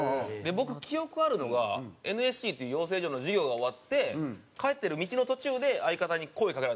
僕記憶あるのがＮＳＣっていう養成所の授業が終わって帰ってる道の途中で相方に声かけられたんですね。